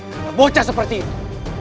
karena bocah seperti itu